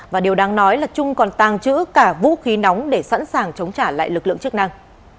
và điều đáng nói là trung còn tàng trữ cả vũ khí nóng để sẵn sàng chống trả lại lực lượng chức năng